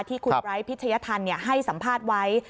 ที่คุณไบร์ทพิชยธรรมเนี่ยให้สัมภาษณ์ไว้